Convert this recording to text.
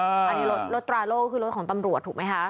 อันนี้รถตราโล่คือรถของตำรวจถูกไหมคะ